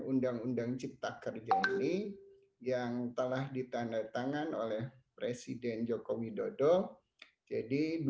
undang undang cipta kerja ini yang telah ditandatangan oleh presiden joko widodo jadi